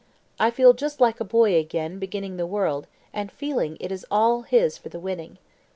I feel just like a boy again beginning the world, and feeling it is all his for the winning."